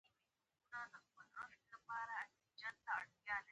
دغسې د غاښونو ، غوږونو ، د معدې د ګېس ،